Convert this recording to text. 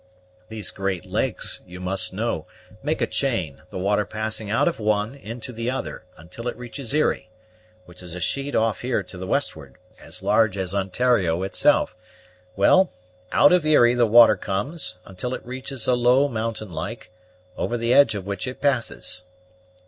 These great lakes, you must know, make a chain, the water passing out of one into the other, until it reaches Erie, which is a sheet off here to the westward, as large as Ontario itself. Well, out of Erie the water comes, until it reaches a low mountain like, over the edge of which it passes."